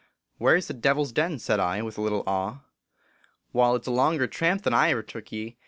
Where is the Devil s Den," said I, with a little awe. " Wai, it s a longer tramp than I ve ever took ye.